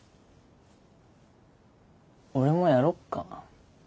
俺もやろっかな。